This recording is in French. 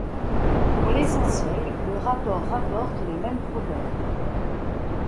Pour l'essentiel, le rapport rapporte les mêmes problèmes.